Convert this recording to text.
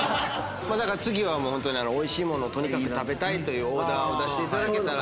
だから次はおいしい物をとにかく食べたいというオーダーを出していただけたら。